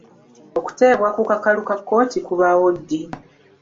Okuteebwa ku kakalu ka kkooti kubaawo ddi?